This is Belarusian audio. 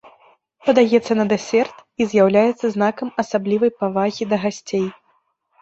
Падаецца на дэсерт і з'яўляецца знакам асаблівай павагі да гасцей.